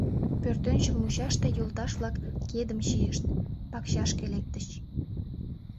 Пӧртӧнчыл мучаште йолташ-влак кедым чийышт, пакчашке лектыч.